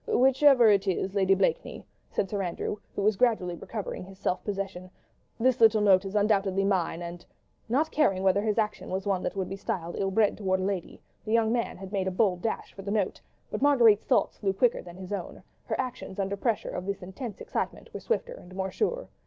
"Whichever it is, Lady Blakeney," said Sir Andrew, who was gradually recovering his self possession, "this little note is undoubtedly mine, and ..." Not caring whether his action was one that would be styled ill bred towards a lady, the young man had made a bold dash for the note; but Marguerite's thoughts flew quicker than his own; her actions, under pressure of this intense excitement, were swifter and more sure.